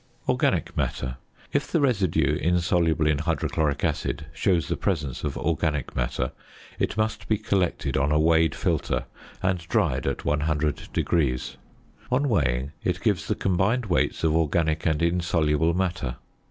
~Organic Matter.~ If the residue insoluble in hydrochloric acid shows the presence of organic matter, it must be collected on a weighed filter and dried at 100°. On weighing, it gives the combined weights of organic and insoluble matter.